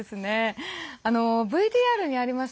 ＶＴＲにありました